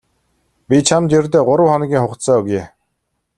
Би чамд ердөө гурав хоногийн хугацаа өгье.